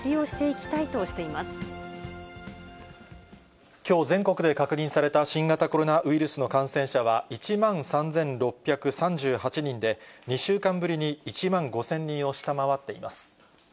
きょう全国で確認された新型コロナウイルスの感染者は１万３６３８人で、２週間ぶりに１万５０００人を下回っています。